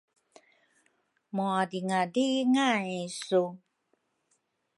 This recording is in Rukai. mwadringadringay su?